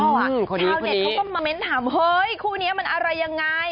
ชาวเน็ตเขาก็มาเม้นถามเฮ้ยคู่นี้มันอะไรยังไง